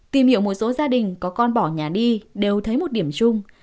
tìm hiểu một số gia đình có con bỏ nhà đi đều thấy một điểm chung